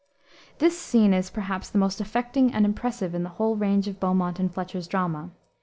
This scene is, perhaps, the most affecting and impressive in the whole range of Beaumont and Fletcher's drama.